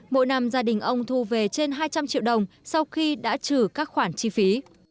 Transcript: mỗi năm gia đình ông thu về trên hai trăm linh triệu đồng sau khi đã trừ các khoản chi phí